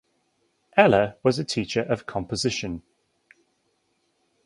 Eller was a teacher of composition.